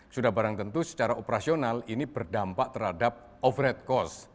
sudah barang tentu secara operasional ini berdampak terhadap overhead cost